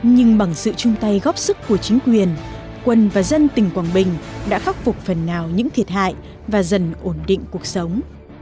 nhưng bằng sự chung tay góp sức của chính quyền quân và dân tỉnh quảng bình đã khắc phục phần nào những thiệt hại và dần ổn định cuộc sống